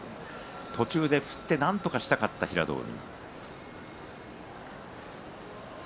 途中で振ってなんとかしたかったが平戸海。